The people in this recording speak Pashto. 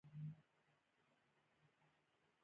کندهار د افغانستان د ټولنیز او اجتماعي جوړښت یوه برخه ده.